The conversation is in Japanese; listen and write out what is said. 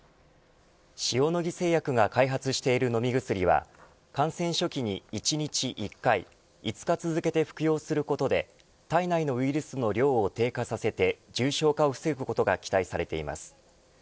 塩野義製薬が開発している飲み薬は感染初期に、１日１回５日続けて服用することで体内のウイルスの量を低下させて重症化を防ぐことが期待されています。